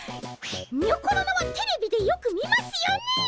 にょころのはテレビでよく見ますよねえ。